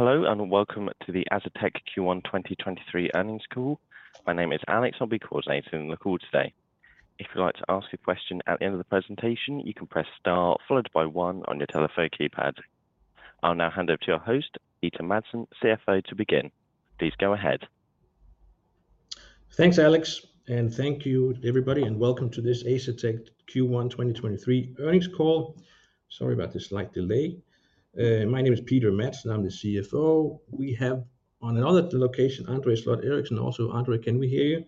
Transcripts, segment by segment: Hello, welcome to the Asetek Q1 2023 earnings call. My name is Alex. I'll be coordinating the call today. If you'd like to ask a question at the end of the presentation, you can press star followed by one on your telephone keypad. I'll now hand over to your host, Peter Madsen, CFO, to begin. Please go ahead. Thanks, Alex, thank you to everybody, and welcome to this Asetek Q1 2023 earnings call. Sorry about the slight delay. My name is Peter Madsen, I'm the CFO. We have on another location, André Sloth Eriksen also. André, can we hear you?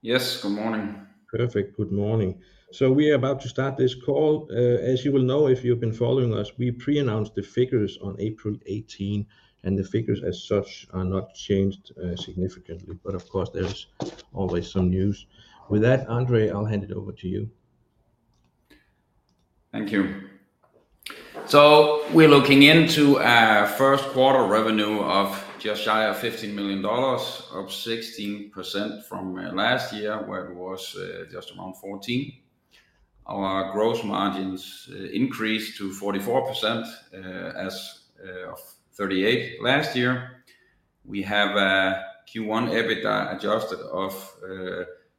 Yes, good morning. Perfect. Good morning. We are about to start this call. As you will know if you've been following us, we pre-announced the figures on April 18. The figures as such are not changed significantly. Of course, there is always some news. With that, Andre, I'll hand it over to you. Thank you. We're looking into our first quarter revenue of just shy of $15 million, up 16% from last year, where it was just around $14 million. Our gross margins increased to 44%, as of 38% last year. We have a Q1 EBITDA adjusted of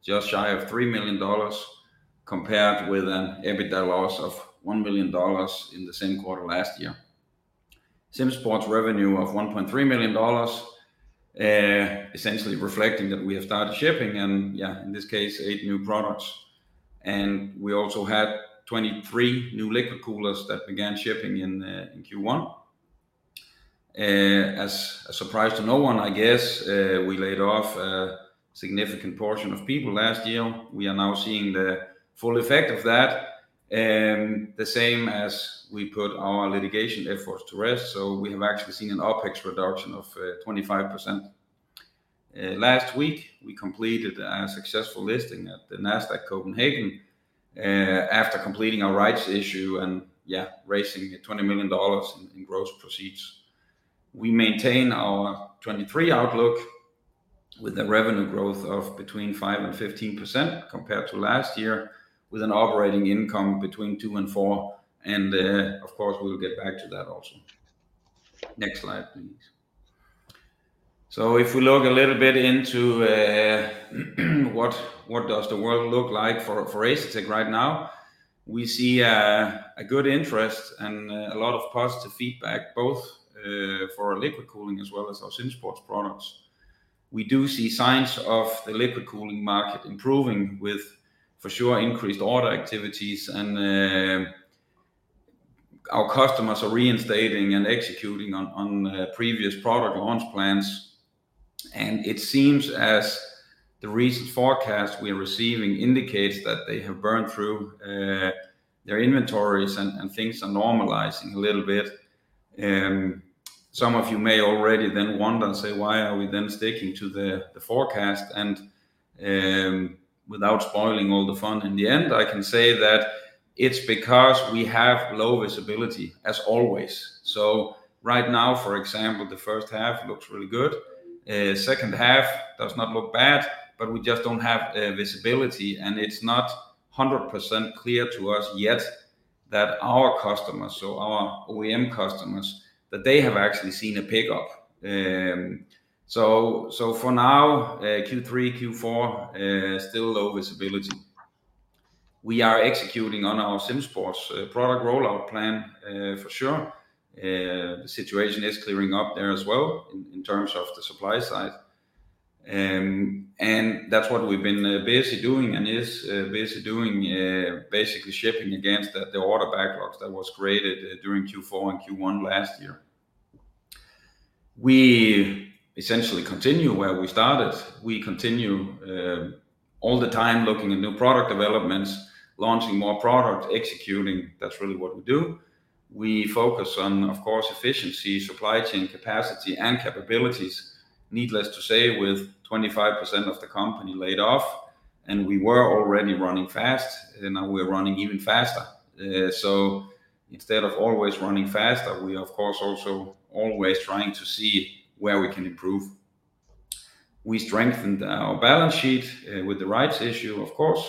just shy of $3 million compared with an EBITDA loss of $1 million in the same quarter last year. SimSports revenue of $1.3 million, essentially reflecting that we have started shipping and, in this case, eight new products, and we also had 23 new liquid coolers that began shipping in Q1. As a surprise to no one, we laid off a significant portion of people last year. We are now seeing the full effect of that, the same as we put our litigation efforts to rest. We have actually seen an OpEx reduction of 25%. Last week we completed a successful listing at the Nasdaq Copenhagen after completing our rights issue and raising $20 million in gross proceeds. We maintain our 2023 outlook with a revenue growth of between 5% and 15% compared to last year, with an operating income between $2 million and $4 million, and, of course, we'll get back to that also. Next slide, please. If we look a little bit into what does the world look like for Asetek right now, we see a good interest and a lot of positive feedback both for our liquid cooling as well as our SimSports products. We do see signs of the liquid cooling market improving with, for sure, increased order activities, our customers are reinstating and executing on previous product launch plans. It seems as the recent forecast we're receiving indicates that they have burned through their inventories and things are normalizing a little bit. Some of you may already then wonder and say, "Why are we then sticking to the forecast?" Without spoiling all the fun, in the end, I can say that it's because we have low visibility as always. Right now, for example, the first half looks really good. Second half does not look bad, but we just don't have visibility, and it's not 100% clear to us yet that our customers, so our OEM customers, that they have actually seen a pickup. For now, Q3, Q4, still low visibility. We are executing on our SimSports product rollout plan, for sure. The situation is clearing up there as well in terms of the supply side. That's what we've been basically doing and is basically doing, basically shipping against the order backlogs that was created during Q4 and Q1 last year. We essentially continue where we started. We continue all the time looking at new product developments, launching more products, executing. That's really what we do. We focus on, of course, efficiency, supply chain capacity, and capabilities. Needless to say, with 25% of the company laid off, and we were already running fast, and now we're running even faster. Instead of always running faster, we of course also always trying to see where we can improve. We strengthened our balance sheet with the rights issue, of course.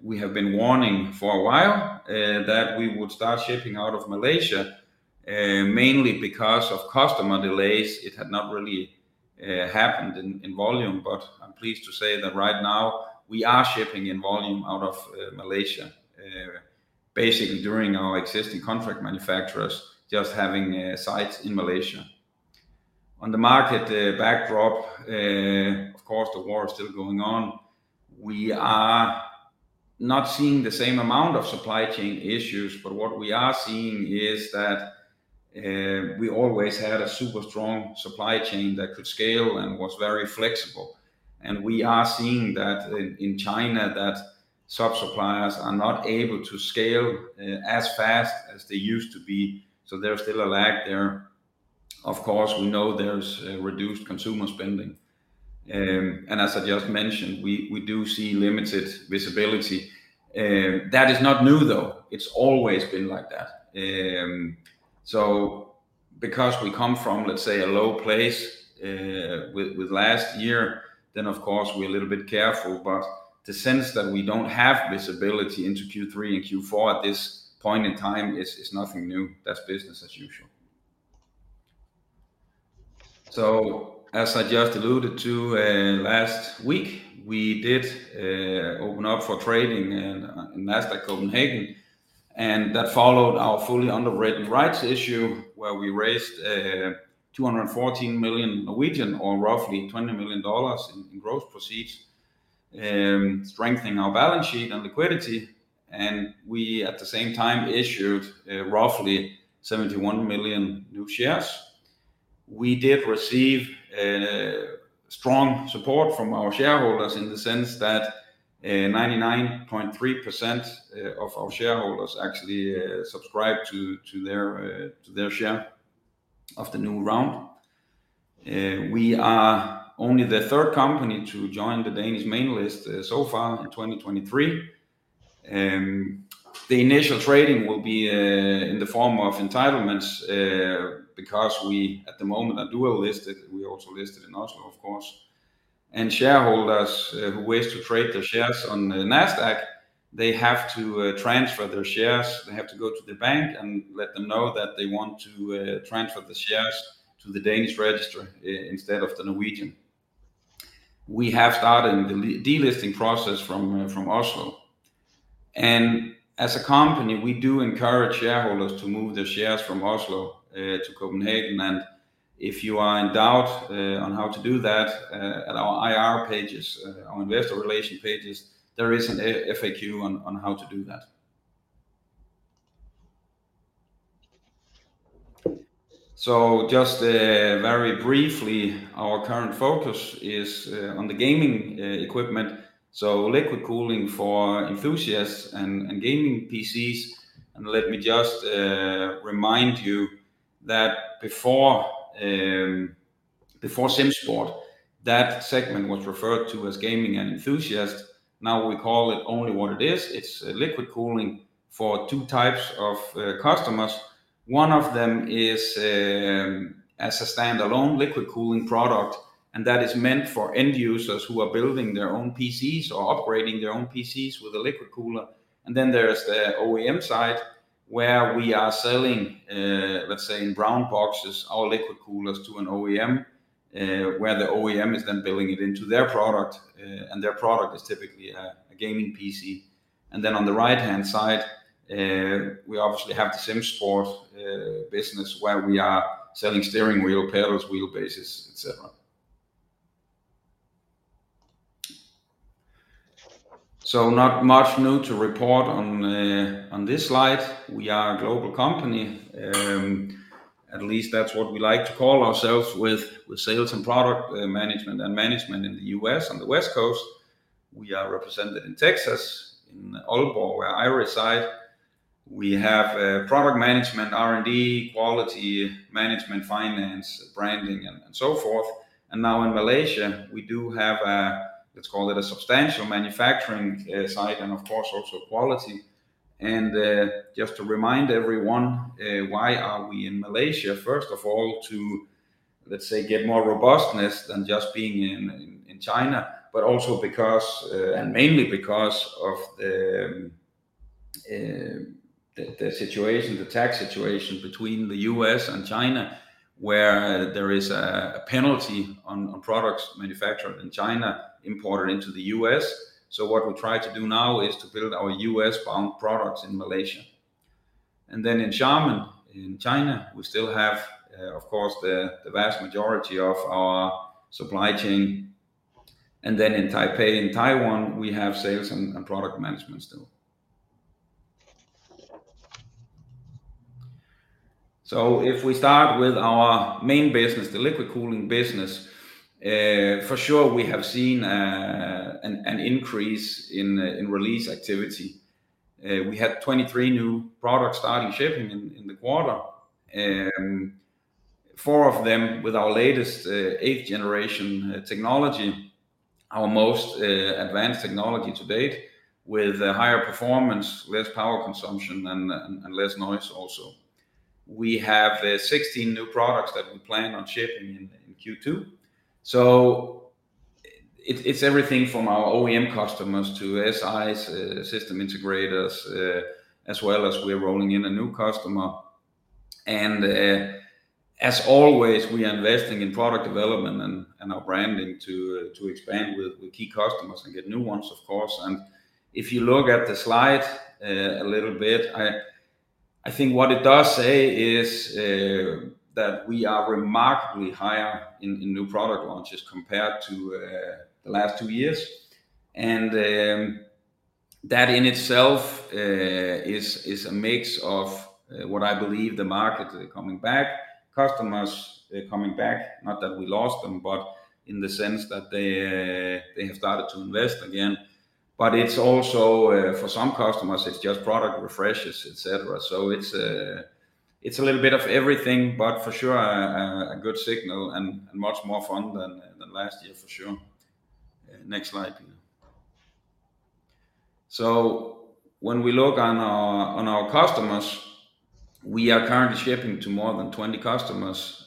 We have been warning for a while that we would start shipping out of Malaysia, mainly because of customer delays. It had not really happened in volume, but I'm pleased to say that right now we are shipping in volume out of Malaysia, basically during our existing contract manufacturers just having sites in Malaysia. On the market backdrop, of course, the war is still going on. We are not seeing the same amount of supply chain issues, but what we are seeing is that we always had a super strong supply chain that could scale and was very flexible. We are seeing that in China that sub-suppliers are not able to scale as fast as they used to be. There's still a lag there. Of course, we know there's reduced consumer spending. As I just mentioned, we do see limited visibility. That is not new though. It's always been like that. Because we come from, let's say, a low place with last year, of course we're a little bit careful. The sense that we don't have visibility into Q3 and Q4 at this point in time is nothing new. That's business as usual. As I just alluded to, last week, we did open up for trading in Nasdaq Copenhagen, and that followed our fully underwritten rights issue where we raised 214 million or roughly $20 million in gross proceeds, strengthening our balance sheet and liquidity. We at the same time issued roughly 71 million new shares. We did receive strong support from our shareholders in the sense that 99.3% of our shareholders actually subscribed to their share of the new round. We are only the third company to join the Danish main list so far in 2023. The initial trading will be in the form of entitlements because we at the moment are dual listed, we also listed in Oslo of course. Shareholders who wish to trade their shares on the Nasdaq, they have to transfer their shares. They have to go to the bank and let them know that they want to transfer the shares to the Danish registry instead of the Norwegian. We have started the delisting process from Oslo. As a company we do encourage shareholders to move their shares from Oslo to Copenhagen. If you are in doubt on how to do that, at our IR pages, on investor relation pages, there is an FAQ on how to do that. Just very briefly, our current focus is on the gaming equipment, so liquid cooling for enthusiasts and gaming PCs. Let me just remind you that before SimSports, that segment was referred to as gaming and enthusiasts. Now we call it only what it is. It's liquid cooling for two types of customers. One of them is as a standalone liquid cooling product, and that is meant for end users who are building their own PCs or upgrading their own PCs with a liquid cooler. There is the OEM side where we are selling, let's say in brown boxes, our liquid coolers to an OEM, where the OEM is then building it into their product. Their product is typically a gaming PC. On the right-hand side, we obviously have the SimSports business where we are selling steering wheel, pedals, wheel bases, et cetera. Not much new to report on on this slide. We are a global company, at least that's what we like to call ourselves with sales and product management and management in the U.S. on the West Coast. We are represented in Texas, in Aalborg, where I reside. We have product management, R&D, quality management, finance, branding, and so forth. Now in Malaysia we do have a, let's call it a substantial manufacturing site and of course also quality. Just to remind everyone, why are we in Malaysia, first of all, to, let's say, get more robustness than just being in China, but also because, and mainly because of the situation, the tax situation between the U.S. and China where there is a penalty on products manufactured in China imported into the U.S. What we try to do now is to build our U.S. bound products in Malaysia. Then in Xiamen, in China, we still have, of course the vast majority of our supply chain. Then in Taipei, in Taiwan, we have sales and product management still. If we start with our main business, the liquid cooling business, for sure we have seen an increase in release activity. We had 23 new products starting shipping in the quarter, four of them with our latest 8th generation technology, our most advanced technology to date with higher performance, less power consumption and less noise also. We have 16 new products that we plan on shipping in Q2. It's everything from our OEM customers to SIs, System Integrators, as well as we're rolling in a new customer. As always, we are investing in product development and our branding to expand with key customers and get new ones of course. If you look at the slide a little bit, I think what it does say is that we are remarkably higher in new product launches compared to the last 2 years. That in itself is a mix of what I believe the market coming back, customers coming back, not that we lost them, but in the sense that they have started to invest again. It's also for some customers it's just product refreshes, et cetera. It's a little bit of everything, but for sure, a good signal and much more fun than last year for sure. Next slide, please. When we look on our customers, we are currently shipping to more than 20 customers.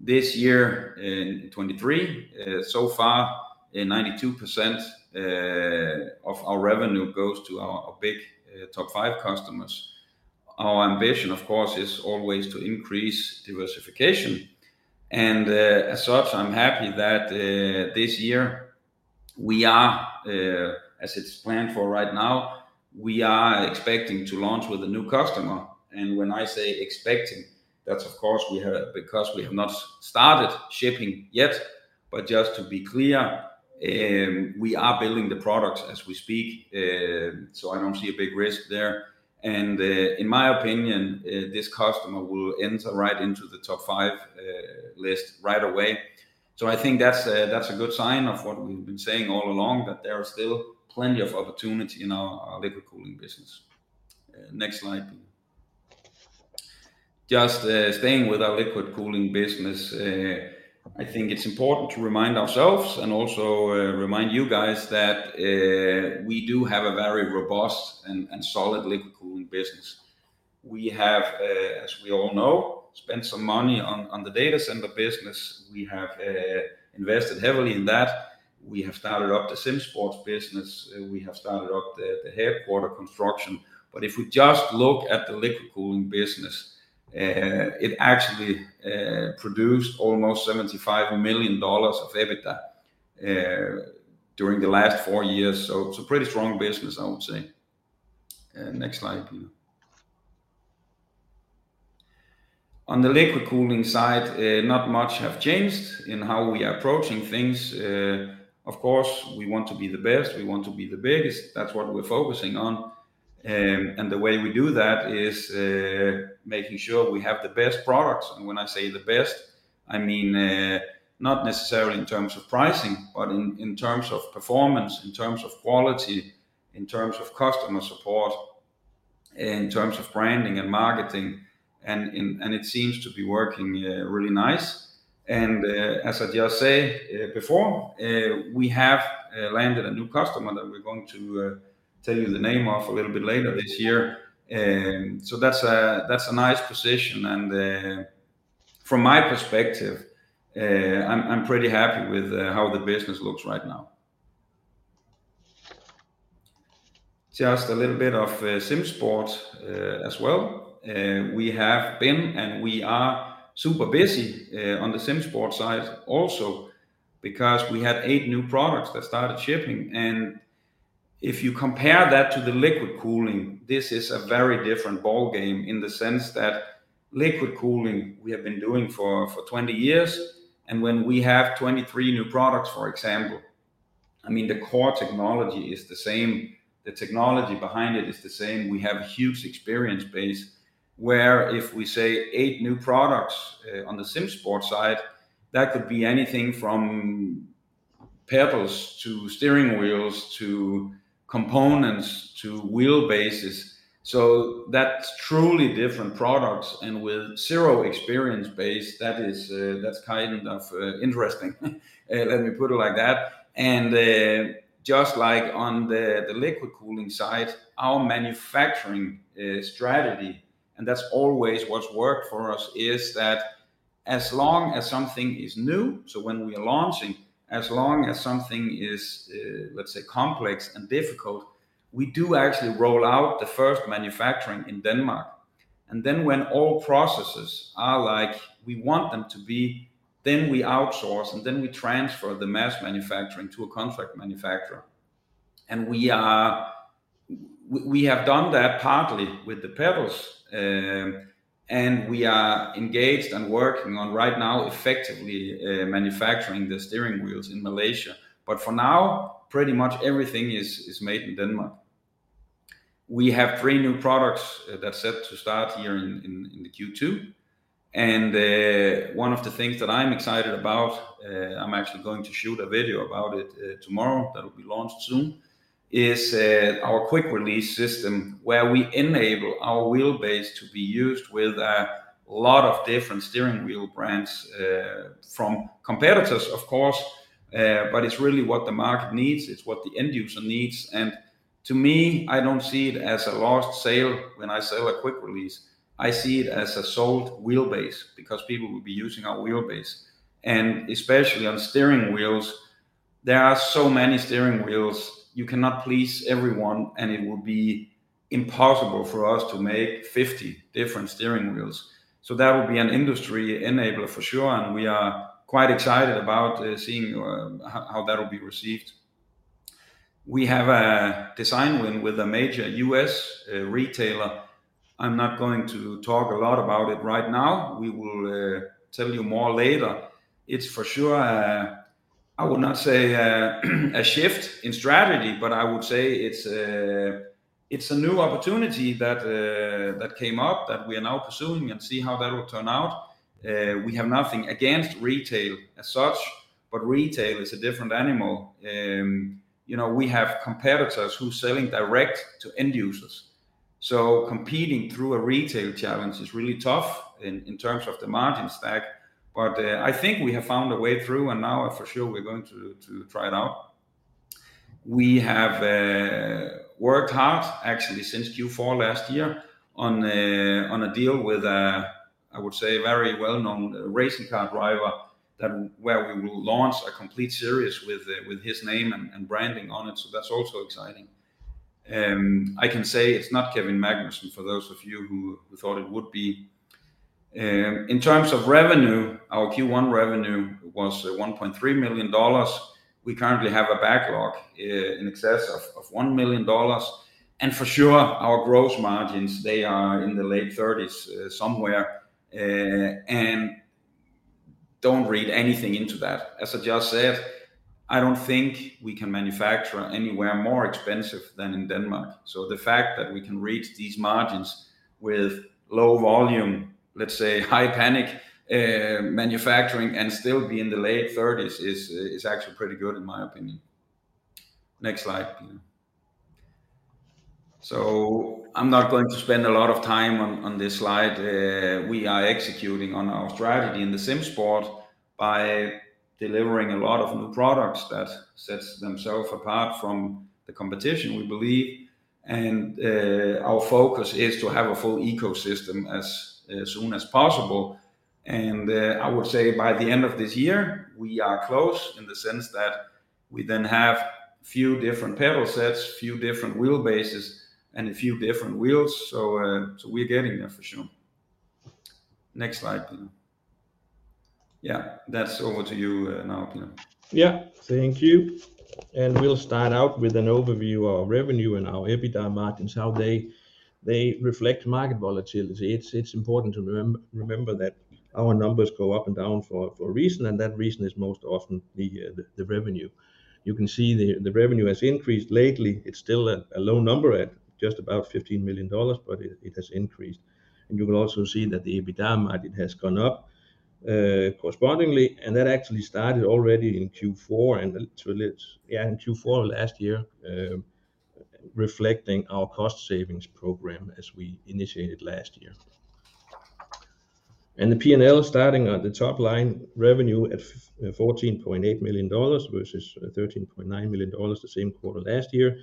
This year in 2023, so far, 92% of our revenue goes to our big top 5 customers. Our ambition, of course, is always to increase diversification. As such, I'm happy that this year we are as it's planned for right now, we are expecting to launch with a new customer. When I say expecting, that's of course, we have not started shipping yet. Just to be clear, we are building the products as we speak, so I don't see a big risk there. In my opinion, this customer will enter right into the top five list right away. I think that's a, that's a good sign of what we've been saying all along, that there are still plenty of opportunity in our liquid cooling business. Next slide, please. Just staying with our liquid cooling business, I think it's important to remind ourselves and also remind you guys that we do have a very robust and solid liquid cooling business. We have, as we all know, spent some money on the data center business. We have invested heavily in that. We have started up the SimSports business. We have started up the headquarter construction. If we just look at the liquid cooling business, it actually produced almost $75 million of EBITDA during the last four years. It's a pretty strong business, I would say. Next slide, please. On the liquid cooling side, not much have changed in how we are approaching things. Of course, we want to be the best, we want to be the biggest. That's what we're focusing on. The way we do that is making sure we have the best products. When I say the best, I mean not necessarily in terms of pricing, but in terms of performance, in terms of quality, in terms of customer support, in terms of branding and marketing, and it seems to be working really nice. As I just say before, we have landed a new customer that we're going to tell you the name of a little bit later this year. That's a nice position. From my perspective, I'm pretty happy with how the business looks right now. Just a little bit of SimSports as well. We have been and we are super busy on the SimSports side also because we had eight new products that started shipping. If you compare that to the liquid cooling, this is a very different ball game in the sense that liquid cooling we have been doing for 20 years, and when we have 23 new products, for example, I mean, the core technology is the same. The technology behind it is the same. We have a huge experience base where if we say eight new products on the SimSports side, that could be anything from pedals to steering wheels to components to wheelbases. That's truly different products and with zero experience base, that is, that's kind of interesting, let me put it like that. Just like on the liquid cooling side, our manufacturing strategy, and that's always what's worked for us, is that as long as something is new, so when we are launching, as long as something is, let's say, complex and difficult, we do actually roll out the first manufacturing in Denmark. When all processes are like we want them to be, then we outsource, and then we transfer the mass manufacturing to a contract manufacturer. We have done that partly with the pedals. We are engaged and working on right now effectively manufacturing the steering wheels in Malaysia. For now, pretty much everything is made in Denmark. We have three new products that are set to start here in the Q2. One of the things that I'm excited about, I'm actually going to shoot a video about it tomorrow that will be launched soon, is our Quick Release System where we enable our wheelbase to be used with a lot of different steering wheel brands from competitors, of course. But it's really what the market needs. It's what the end user needs. To me, I don't see it as a lost sale when I sell a quick release. I see it as a sold wheelbase because people will be using our wheelbase. Especially on steering wheels, there are so many steering wheels, you cannot please everyone, and it would be impossible for us to make 50 different steering wheels. That will be an industry enabler for sure, and we are quite excited about seeing how that will be received. We have a design win with a major US retailer. I'm not going to talk a lot about it right now. We will tell you more later. It's for sure, I would not say a shift in strategy, but I would say it's a new opportunity that came up that we are now pursuing and see how that will turn out. We have nothing against retail as such, but retail is a different animal. You know, we have competitors who are selling direct to end users. So competing through a retail challenge is really tough in terms of the margin stack. I think we have found a way through and now for sure we're going to try it out. We have worked hard actually since Q4 last year on a deal with a, I would say very well-known racing car driver that where we will launch a complete series with his name and branding on it. That's also exciting. I can say it's not Kevin Magnussen, for those of you who thought it would be. In terms of revenue, our Q1 revenue was $1.3 million. We currently have a backlog in excess of $1 million. For sure our gross margins, they are in the late thirties somewhere. Don't read anything into that. As I just said, I don't think we can manufacture anywhere more expensive than in Denmark. The fact that we can reach these margins with low volume, let's say high panic, manufacturing and still be in the late 30s is actually pretty good in my opinion. Next slide, please. I'm not going to spend a lot of time on this slide. We are executing on our strategy in the SimSports by delivering a lot of new products that sets themselves apart from the competition, we believe. Our focus is to have a full ecosystem as soon as possible. I would say by the end of this year, we are close in the sense that we then have few different pedal sets, few different wheelbases, and a few different wheels. We're getting there for sure. Next slide, please. That's over to you now, Peter. Thank you. We'll start out with an overview of revenue and our EBITDA margins, how they reflect market volatility. It's important to remember that our numbers go up and down for a reason, and that reason is most often the revenue. You can see the revenue has increased lately. It's still a low number at just about $15 million, but it has increased. You can also see that the EBITDA margin has gone up correspondingly. That actually started already in Q4 of last year, reflecting our cost savings program as we initiated last year. The P&L starting at the top line revenue at $14.8 million versus $13.9 million the same quarter last year,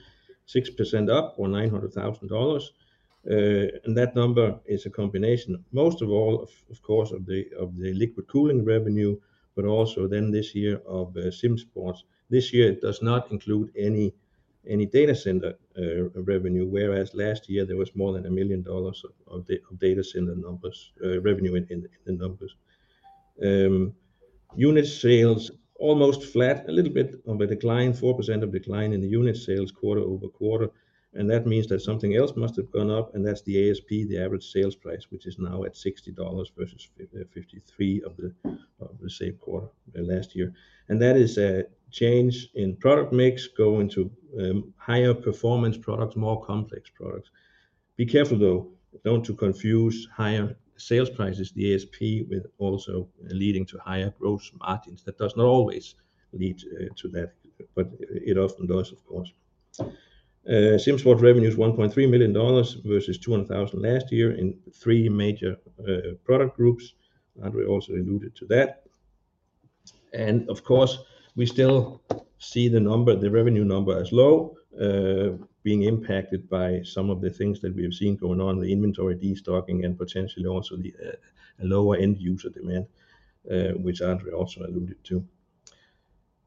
6% up or $900,000. That number is a combination most of all of course, of the liquid cooling revenue, but also then this year of SimSports. This year it does not include any data center revenue, whereas last year there was more than $1 million of data center numbers, revenue in the numbers. Unit sales almost flat, a little bit of a decline, 4% of decline in the unit sales quarter-over-quarter. That means that something else must have gone up, and that's the ASP, the average sales price, which is now at $60 versus 53 of the same quarter last year. That is a change in product mix, going to higher performance products, more complex products. Be careful though, don't confuse higher sales prices, the ASP with also leading to higher gross margins. That does not always lead to that, but it often does, of course. SimSports revenue is $1.3 million versus $200,000 last year in three major product groups. André also alluded to that. Of course, we still see the number, the revenue number as low, being impacted by some of the things that we have seen going on, the inventory destocking and potentially also the lower end user demand, which André also alluded to.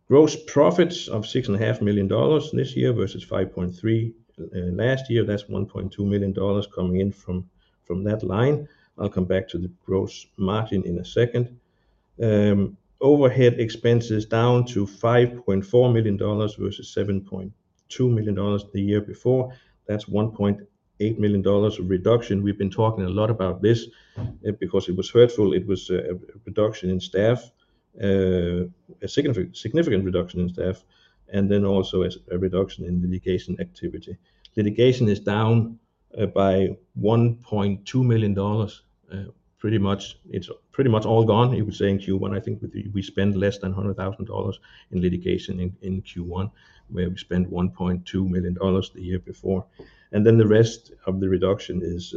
Gross profits of $6.5 million this year versus $5.3 million last year. That's $1.2 million coming in from that line. I'll come back to the gross margin in a second. Overhead expenses down to $5.4 million versus $7.2 million the year before. That's $1.8 million of reduction. We've been talking a lot about this because it was hurtful. It was a significant reduction in staff, and then also as a reduction in litigation activity. Litigation is down by $1.2 million. It's pretty much all gone. It was saying Q1, I think we spent less than $100,000 in litigation in Q1, where we spent $1.2 million the year before. The rest of the reduction is.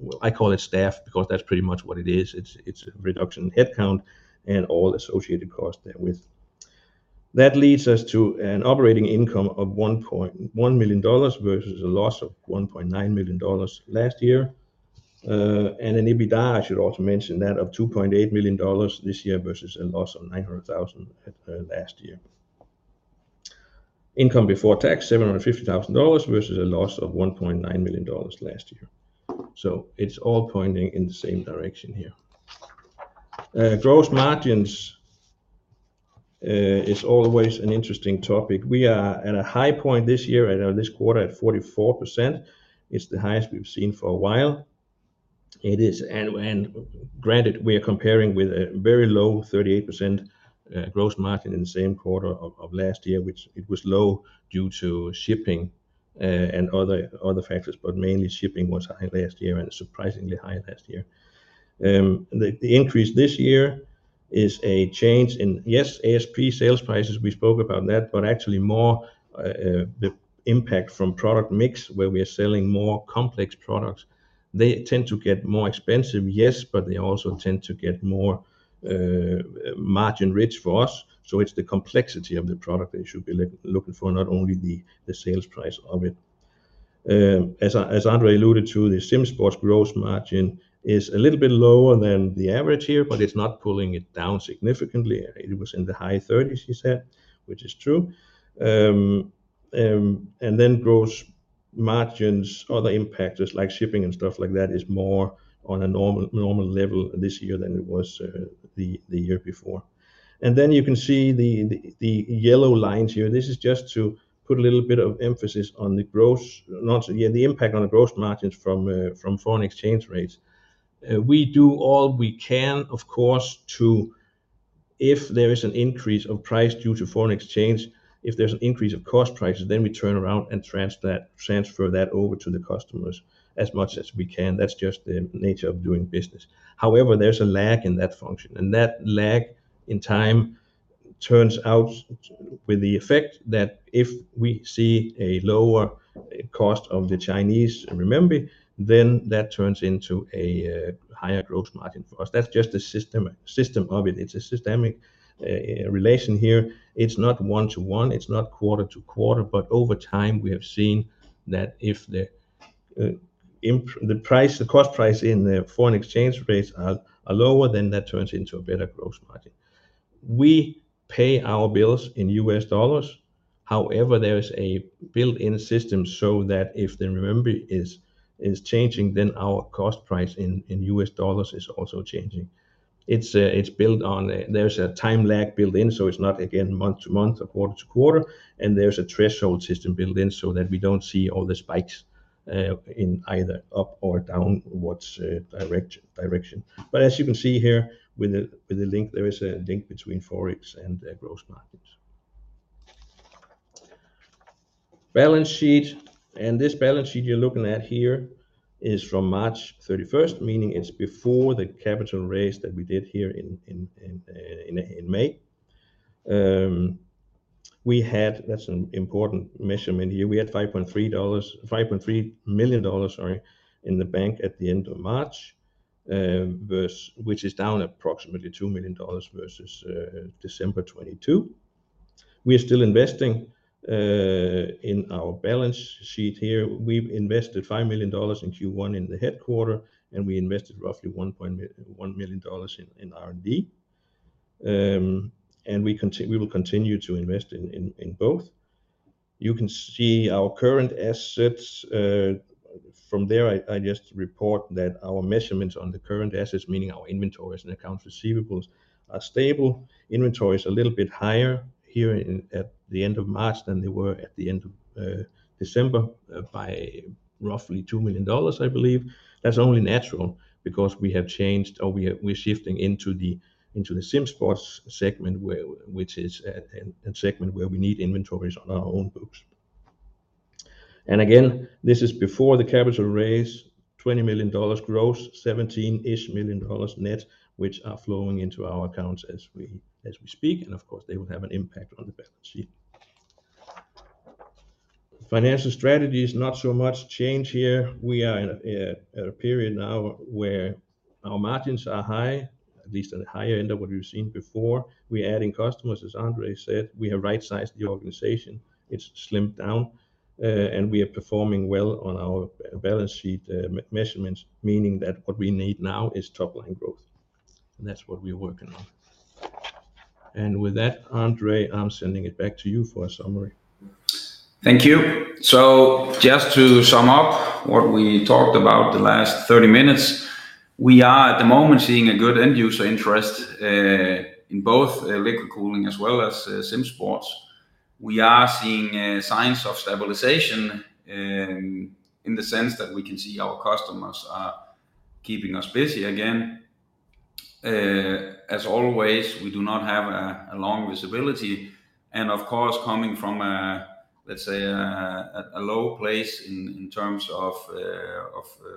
Well, I call it staff because that's pretty much what it is. It's a reduction in headcount and all associated costs therewith. That leads us to an operating income of $1.1 million versus a loss of $1.9 million last year. An EBITDA, I should also mention that, of $2.8 million this year versus a loss of $900,000 last year. Income before tax, $750,000 versus a loss of $1.9 million last year. It's all pointing in the same direction here. Gross margins is always an interesting topic. We are at a high point this year and this quarter at 44%. It's the highest we've seen for a while. It is. Granted, we are comparing with a very low 38% gross margin in the same quarter of last year, which it was low due to shipping and other factors. Mainly shipping was high last year and surprisingly high last year. The increase this year is a change in, yes, ASP sales prices, we spoke about that, but actually more, the impact from product mix where we are selling more complex products. They tend to get more expensive, yes, but they also tend to get more margin rich for us, so it's the complexity of the product that you should be looking for, not only the sales price of it. As André alluded to, the SimSports gross margin is a little bit lower than the average here, but it's not pulling it down significantly. It was in the high thirties, he said, which is true. Gross margins, other impactors like shipping and stuff like that is more on a normal level this year than it was the year before. You can see the yellow lines here. This is just to put a little bit of emphasis on the impact on the gross margins from foreign exchange rates. We do all we can, of course. If there is an increase of price due to foreign exchange, if there's an increase of cost prices, then we turn around and transfer that over to the customers as much as we can. That's just the nature of doing business. However, there's a lag in that function, and that lag in time turns out with the effect that if we see a lower cost of the Chinese renminbi, then that turns into a higher gross margin for us. That's just the system of it. It's a systemic relation here. It's not one-to-one, it's not quarter to quarter, but over time, we have seen that if the price, the cost price in the foreign exchange rates are lower, then that turns into a better gross margin. We pay our bills in US dollars. There is a built-in system so that if the renminbi is changing, then our cost price in US dollars is also changing. It's built on. There's a time lag built in, so it's not again month to month or quarter to quarter, and there's a threshold system built in so that we don't see all the spikes, in either up or downwards direction. As you can see here with the, with the link, there is a link between forex and gross margins. Balance sheet. This balance sheet you're looking at here is from March 31st, meaning it's before the capital raise that we did here in May. That's an important measurement here. We had $5.3 million, sorry, in the bank at the end of March, which is down approximately $2 million versus December 2022. We are still investing in our balance sheet here. We've invested $5 million in Q1 in the headquarter. We invested roughly $1 million in R&D. We will continue to invest in both. You can see our current assets. From there, I just report that our measurements on the current assets, meaning our inventories and accounts receivables, are stable. Inventory is a little bit higher here at the end of March than they were at the end of December, by roughly $2 million, I believe. That's only natural because we have changed or we're shifting into the SimSports segment which is a segment where we need inventories on our own books. Again, this is before the capital raise, $20 million gross, $17 million-ish net, which are flowing into our accounts as we speak, and of course, they will have an impact on the balance sheet. Financial strategy is not so much change here. We are in a period now where our margins are high, at least at the higher end of what we've seen before. We're adding customers, as André said. We have right-sized the organization. It's slimmed down, and we are performing well on our balance sheet measurements, meaning that what we need now is top line growth, and that's what we're working on. With that, André, I'm sending it back to you for a summary. Thank you. Just to sum up what we talked about the last 30 minutes, we are at the moment seeing a good end user interest in both liquid cooling as well as SimSports. We are seeing signs of stabilization in the sense that we can see our customers are keeping us busy again. As always, we do not have a long visibility and of course, coming from a, let's say a low place in terms of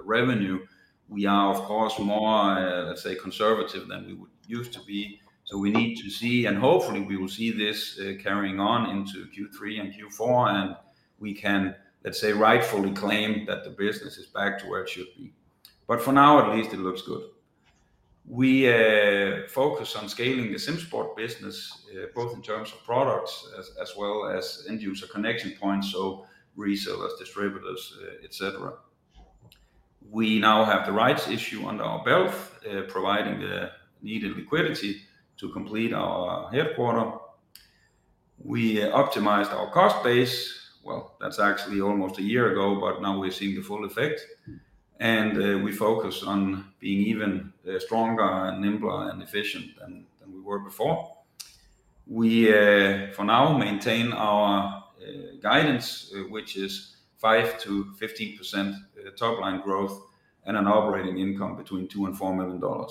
revenue, we are of course more, let's say conservative than we would used to be. We need to see, and hopefully we will see this carrying on into Q3 and Q4, and we can, let's say, rightfully claim that the business is back to where it should be. For now, at least it looks good. We focus on scaling the SimSports business, both in terms of products as well as end user connection points, so resellers, distributors, et cetera. We now have the rights issue under our belt, providing the needed liquidity to complete our headquarter. We optimized our cost base. Well, that's actually almost a year ago, but now we're seeing the full effect, and we focus on being even stronger and nimbler and efficient than we were before. We for now maintain our guidance, which is 5%-15% top line growth and an operating income between $2 million and $4 million.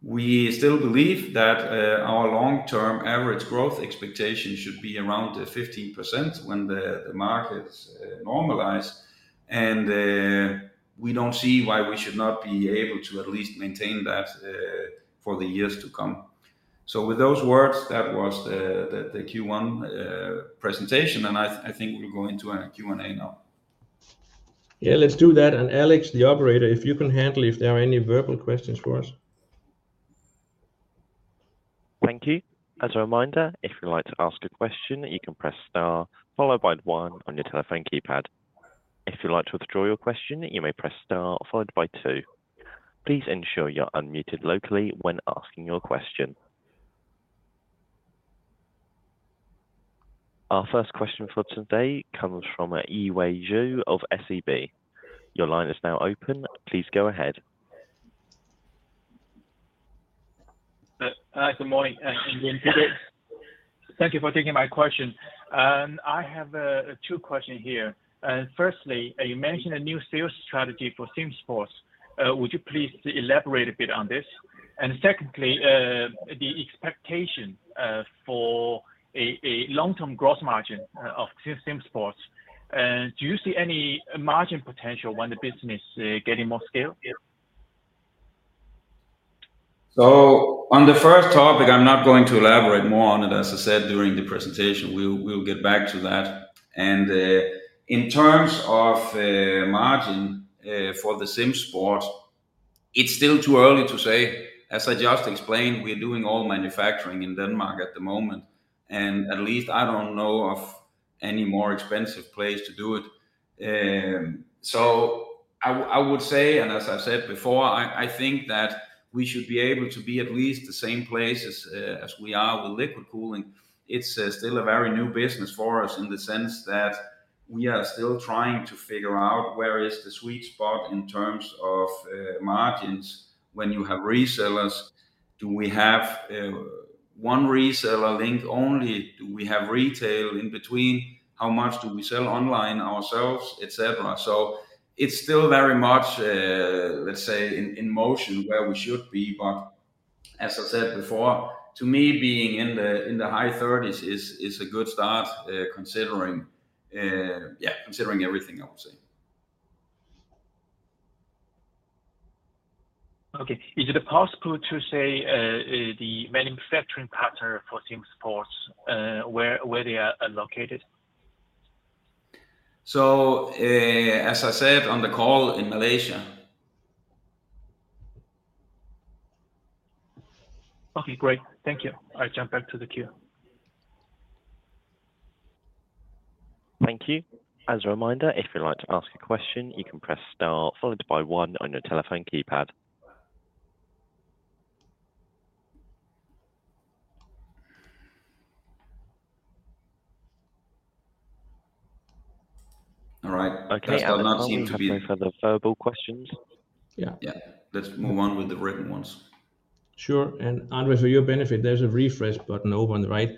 We still believe that our long-term average growth expectation should be around 15% when the markets normalize and we don't see why we should not be able to at least maintain that for the years to come. With those words, that was the Q1 presentation, and I think we'll go into a Q&A now. Yeah, let's do that. Alex, the operator, if you can handle if there are any verbal questions for us. Thank you. As a reminder, if you'd like to ask a question, you can press star followed by one on your telephone keypad. If you'd like to withdraw your question, you may press star followed by two. Please ensure you're unmuted locally when asking your question. Our first question for today comes from Yiwei Zhou of SEB. Your line is now open. Please go ahead. Hi. Good morning, and good day. Thank you for taking my question. I have two question here. Firstly, you mentioned a new sales strategy for SimSports. Would you please elaborate a bit on this? Secondly, the expectation for a long-term growth margin of SimSports. Do you see any margin potential when the business getting more scale here? On the first topic, I'm not going to elaborate more on it. As I said during the presentation, we'll get back to that. In terms of margin for the SimSports, it's still too early to say. As I just explained, we're doing all manufacturing in Denmark at the moment, and at least I don't know of any more expensive place to do it. I would say, and as I said before, I think that we should be able to be at least the same place as we are with liquid cooling. It's still a very new business for us in the sense that we are still trying to figure out where is the sweet spot in terms of margins when you have resellers. Do we have one reseller link only? Do we have retail in between? How much do we sell online ourselves, et cetera? It's still very much, let's say, in motion where we should be, but as I said before, to me, being in the high 30s is a good start, yeah, considering everything, I would say. Okay. Is it possible to say, the manufacturing partner for SimSports, where they are located? As I said on the call, in Malaysia. Okay, great. Thank you. I jump back to the queue. Thank you. As a reminder, if you'd like to ask a question, you can press star followed by one on your telephone keypad. All right. That's done. I don't seem to. Okay, Alex, now we have no further verbal questions. Yeah. Yeah. Let's move on with the written ones. Sure. André, for your benefit, there's a refresh button over on the right.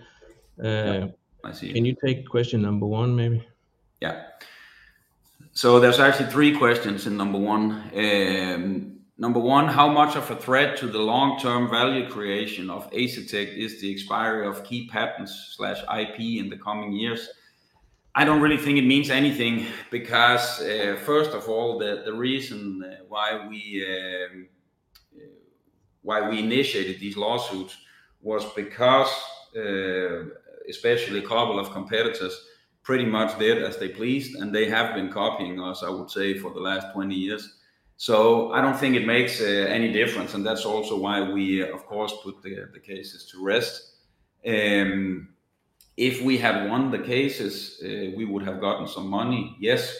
I see. Can you take question number one maybe? Yeah. There's actually three questions in number one. Number one, how much of a threat to the long-term value creation of Asetek is the expiry of key patents/IP in the coming years? I don't really think it means anything because, first of all, the reason why we initiated these lawsuits was because especially a couple of competitors pretty much did as they pleased, and they have been copying us, I would say, for the last 20 years. I don't think it makes any difference, and that's also why we, of course, put the cases to rest. If we had won the cases, we would have gotten some money, yes.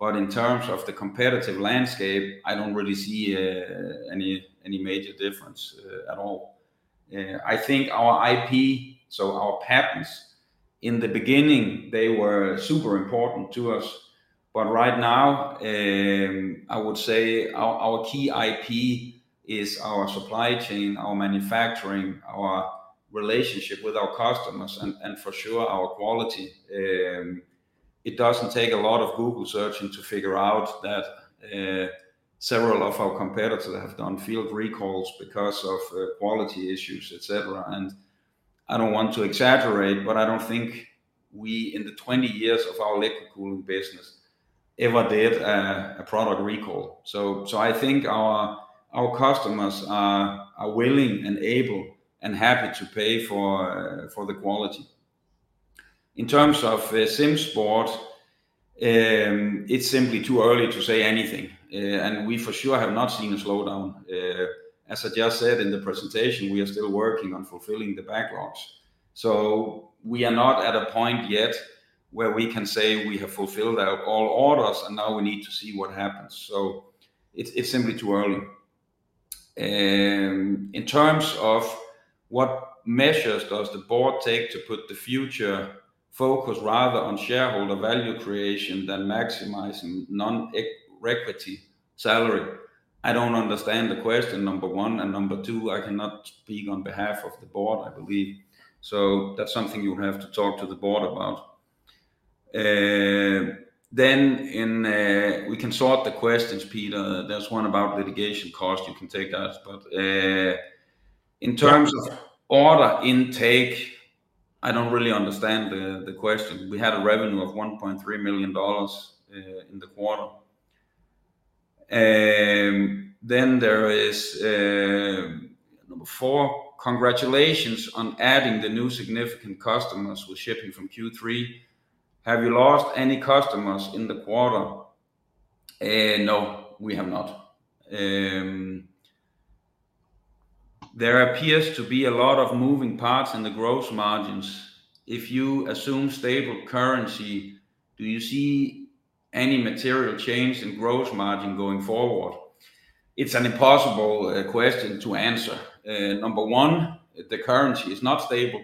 In terms of the competitive landscape, I don't really see any major difference at all. I think our IP, so our patents, in the beginning, they were super important to us. Right now, I would say our key IP is our supply chain, our manufacturing, our relationship with our customers, and for sure our quality. It doesn't take a lot of Google searching to figure out that several of our competitors have done field recalls because of quality issues, et cetera. I don't want to exaggerate, but I don't think we, in the 20 years of our liquid cooling business, ever did a product recall. I think our customers are willing and able and happy to pay for the quality. In terms of SimSports, it's simply too early to say anything. We for sure have not seen a slowdown. As I just said in the presentation, we are still working on fulfilling the backlogs. We are not at a point yet where we can say we have fulfilled our all orders and now we need to see what happens. It's, it's simply too early. In terms of what measures does the board take to put the future focus rather on shareholder value creation than maximizing non-equity salary? I don't understand the question, number one. Number two, I cannot speak on behalf of the board, I believe. That's something you have to talk to the board about. We can sort the questions, Peter. There's one about litigation costs. You can take that. In terms of order intake, I don't really understand the question. We had a revenue of $1.3 million in the quarter. There is, number four, congratulations on adding the new significant customers with shipping from Q3. Have you lost any customers in the quarter? No, we have not. There appears to be a lot of moving parts in the gross margins. If you assume stable currency, do you see any material change in gross margin going forward? It's an impossible question to answer. Number 1, the currency is not stable.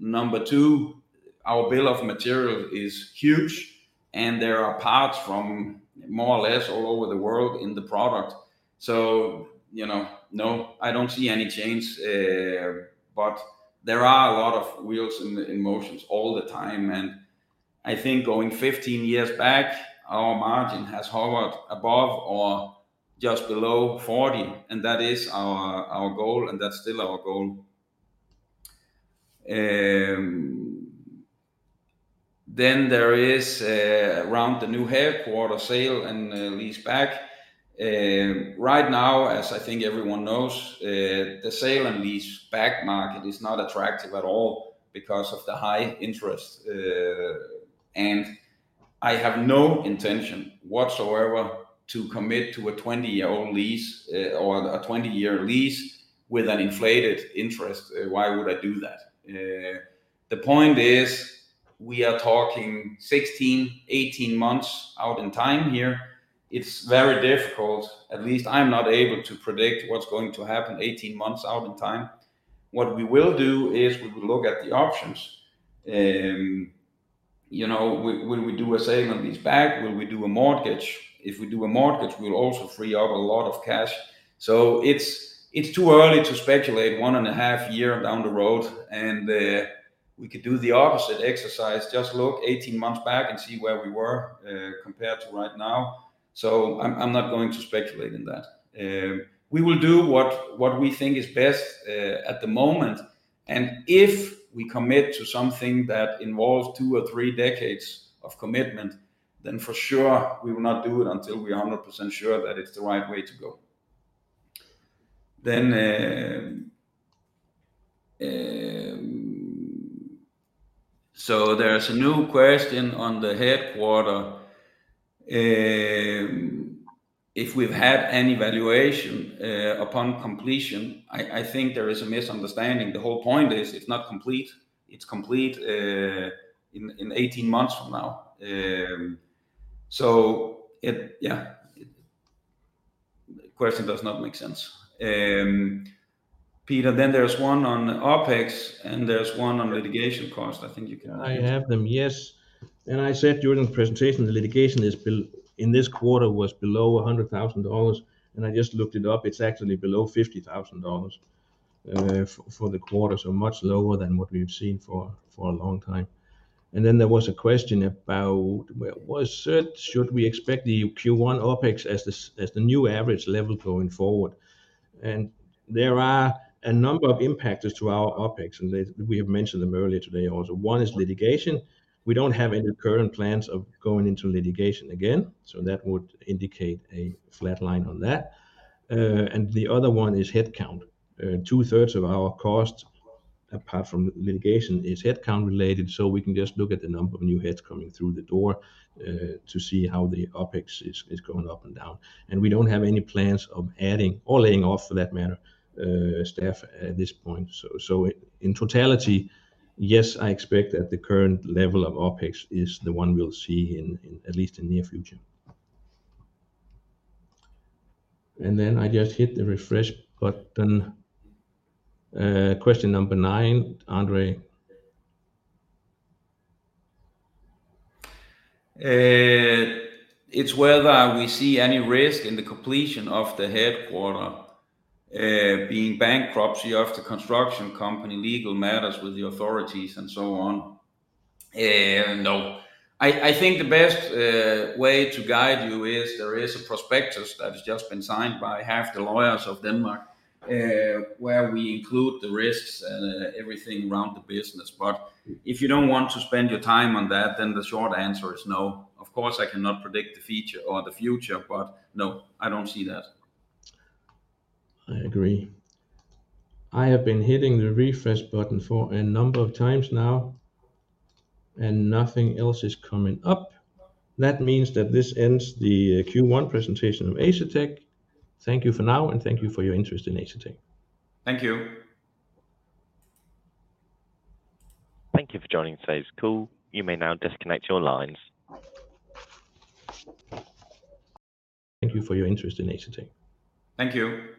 Number two, our bill of material is huge, and there are parts from more or less all over the world in the product. You know, no, I don't see any change. There are a lot of wheels in motion all the time. I think going 15 years back, our margin has hovered above or just below 40, and that is our goal, and that's still our goal. There is around the new headquarters sale and leaseback. Right now, as I think everyone knows, the sale and leaseback market is not attractive at all because of the high interest. And I have no intention whatsoever to commit to a 20-year-old lease, or a 20-year lease with an inflated interest. Why would I do that? The point is we are talking 16, 18 months out in time here. It's very difficult, at least I'm not able to predict what's going to happen 18 months out in time. What we will do is we will look at the options. You know, will we do a sale and leaseback? Will we do a mortgage? If we do a mortgage, we'll also free up a lot of cash. It's, it's too early to speculate 1.5 years down the road, we could do the opposite exercise, just look 18 months back and see where we were compared to right now. I'm not going to speculate in that. We will do what we think is best at the moment. If we commit to something that involves two or three decades of commitment, then for sure we will not do it until we are 100% sure that it's the right way to go. There's a new question on the headquarter, if we've had any valuation upon completion. I think there is a misunderstanding. The whole point is it's not complete. It's complete in 18 months from now. Yeah, the question does not make sense. Peter, then there's one on OpEx, and there's one on litigation cost. I think you can. I have them, yes. I said during the presentation, the litigation in this quarter was below $100,000, and I just looked it up. It's actually below $50,000 for the quarter, so much lower than what we've seen for a long time. There was a question about where was it? Should we expect the Q1 OpEx as the new average level going forward? There are a number of impactors to our OpEx. We have mentioned them earlier today also. One is litigation. We don't have any current plans of going into litigation again. That would indicate a flat line on that. The other one is headcount. Two-thirds of our cost, apart from litigation, is headcount related, so we can just look at the number of new heads coming through the door, to see how the OpEx is going up and down. We don't have any plans of adding or laying off for that matter, staff at this point. In totality, yes, I expect that the current level of OpEx is the one we'll see in at least in near future. Then I just hit the refresh button. Question number nine, André. It's whether we see any risk in the completion of the headquarter, being bankruptcy of the construction company, legal matters with the authorities and so on. No. I think the best way to guide you is there is a prospectus that has just been signed by half the lawyers of Denmark, where we include the risks and everything around the business. If you don't want to spend your time on that, then the short answer is no. Of course, I cannot predict the feature or the future, but no, I don't see that. I agree. I have been hitting the refresh button for a number of times now, and nothing else is coming up. That means that this ends the Q1 presentation of Asetek. Thank you for now, and thank you for your interest in Asetek. Thank you. Thank you for joining today's call. You may now disconnect your lines. Thank you for your interest in Asetek. Thank you.